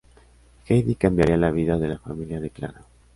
Heidi cambiaría la vida de la familia de Klara.